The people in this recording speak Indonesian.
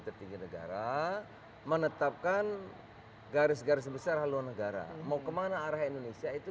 tertinggi negara menetapkan garis garis besar haluan negara mau kemana arah indonesia itu